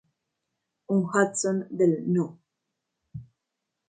Un Hudson del No.